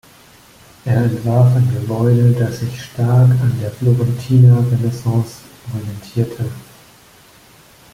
Er entwarf ein Gebäude, das sich stark an der florentiner Renaissance orientierte.